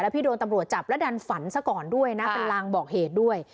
พี่โดนจับจับและดันฝันสักก่อนด้วยก็เป็นลางบอกเหตุด้วย